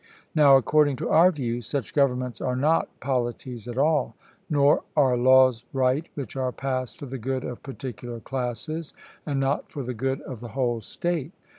Now, according to our view, such governments are not polities at all, nor are laws right which are passed for the good of particular classes and not for the good of the whole state.